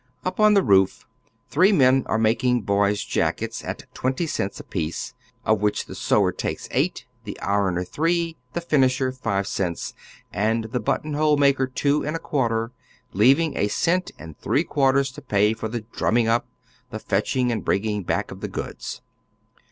Up under the roof three men are making boys' jackets at twenty cents a piece, of which the sewer takes eight, the ironer three, the finisher five cents, and the button oy Google 132 HOW THE OTHEE HALF LIVES. liole maker two and a quarter, leaving a cent and three quarters to pay for the drumming up, the fetcliing and bringing back of the goods.